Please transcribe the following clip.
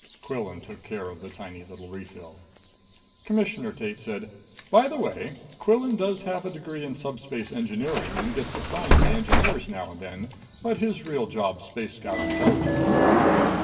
Quillan took care of the tiny little refill. Commissioner Tate said, "By the way, Quillan does have a degree in subspace engineering and gets assigned to the Engineers now and then. But his real job's Space Scout Intelligence."